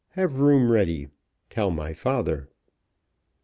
Have room ready. Tell my father."